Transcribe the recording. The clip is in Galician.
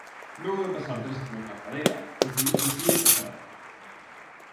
Logo de pasar tres anos na cadea, conseguiu fuxir e pasar a Francia.